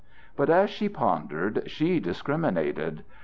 But as she pondered, she discriminated.